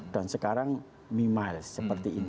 dan sekarang memiles seperti ini